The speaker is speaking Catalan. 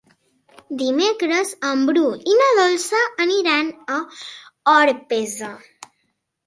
Dimecres en Bru i na Dolça aniran a Orpesa.